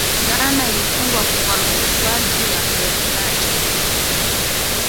ghana ilifungwa kwa mikwaju ya penati